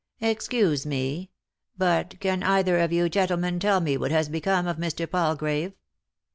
"Excuse me, but— can either of you gentlemen tell me what has become of Mr. Palgrave